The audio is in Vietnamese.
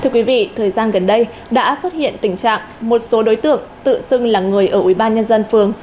thưa quý vị thời gian gần đây đã xuất hiện tình trạng một số đối tượng tự xưng là người ở ubnd phường